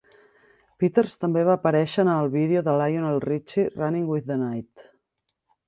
Peters també va aparèixer en el vídeo de Lionel Richie "Running With The Night".